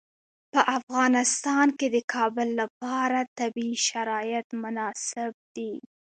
په افغانستان کې د کابل لپاره طبیعي شرایط مناسب دي.